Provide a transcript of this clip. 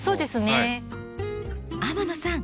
天野さん